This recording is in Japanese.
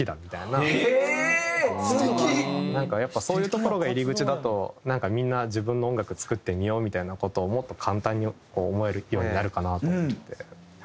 なんかやっぱそういうところが入り口だとなんかみんな自分の音楽作ってみようみたいな事をもっと簡単に思えるようになるかなと思ってやってましたね。